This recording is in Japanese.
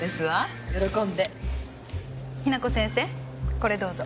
これどうぞ。